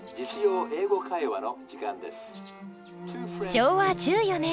昭和１４年。